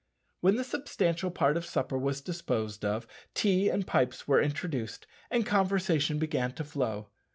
When the substantial part of supper was disposed of, tea and pipes were introduced, and conversation began to flow.